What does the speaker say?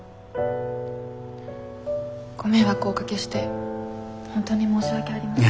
ご迷惑をおかけして本当に申し訳ありません。